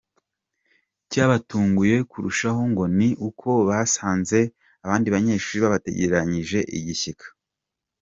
Icyabatunguye kurushaho ngo ni uko basanze abandi banyeshuri babategerezanyije igishyika.